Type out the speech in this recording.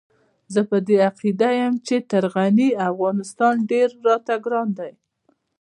زه په دې عقيده يم چې تر غني افغانستان ډېر راته ګران دی.